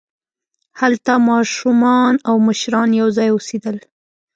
هلته ماشومان او مشران یوځای اوسېدل.